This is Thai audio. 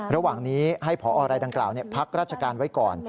ระหว่างนี้ให้พอรายดังกล่าวพักราชการไว้ก่อน